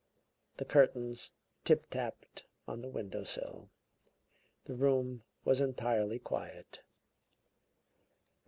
The curtains tip tapped on the window sill; the room was entirely quiet.